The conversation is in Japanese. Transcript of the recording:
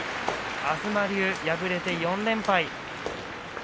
東龍、敗れて４連敗です。